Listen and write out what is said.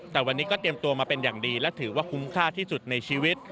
แต่วันนี้ก็เตรียมตัวมาเป็นอย่างดีและถือว่าคุ้มค่าที่สุดในชีวิต